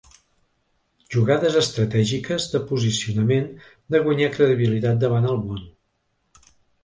Jugades estratègiques, de posicionament, de guanyar credibilitat davant el món.